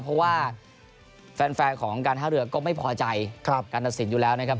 เพราะว่าแฟนของการท่าเรือก็ไม่พอใจการตัดสินอยู่แล้วนะครับ